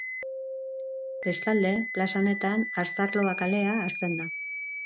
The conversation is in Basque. Bestalde plaza honetan Astarloa kalea hasten da.